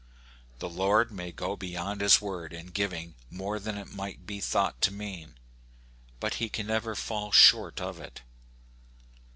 The Lord may go beyond his word in giving more than it might be thought to mean ; but he can never fall short of it.